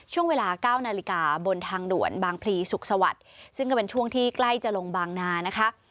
ช่วงเวลา๙นาฬิกาบนทางด่วนบางพลีสุขสวัสดิ์ซึ่งก็เป็นช่วงที่ใกล้จะลงบางนานะคะ